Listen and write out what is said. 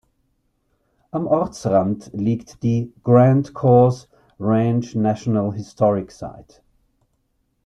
Am Ortsrand liegt die Grant-Kohrs Ranch National Historic Site.